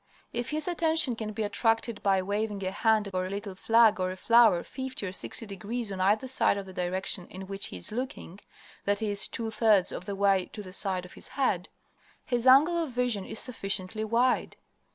If his attention can be attracted by waving a hand or a little flag or a flower fifty or sixty degrees on either side of the direction in which he is looking, that is, two thirds of the way to the side of his head, his angle of vision is sufficiently wide.